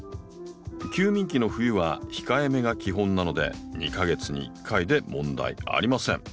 休眠期の冬は控えめが基本なので２か月に１回で問題ありません。